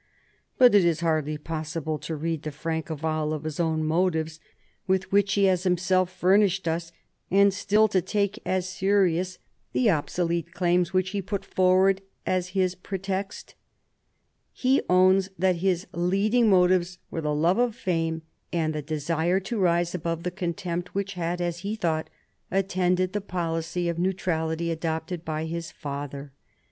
But it is hardly possible to read the frank avowal of his own motives with which he has himself furnished us, and still to take as serious the 1740 43 WAR OF SUCCESSION 11 obsolete claims which he put forward as his pretext He owns that his leading motives were the love of fame, and the desire to rise above the contempt which had, as he thought, attended the policy of neutrality adopted by his father.